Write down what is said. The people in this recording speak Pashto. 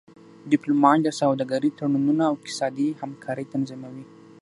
ډيپلومات د سوداګری تړونونه او اقتصادي همکاری تنظیموي.